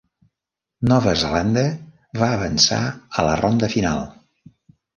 Nova Zelanda va avançar a la ronda final.